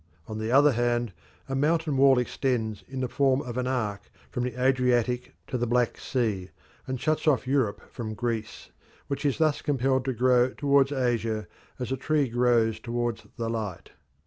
On the other hand, a mountain wall extends in the form of an arc from the Adriatic to the Black Sea and shuts off Europe from Greece, which is thus compelled to grow towards Asia as a tree grows towards the light.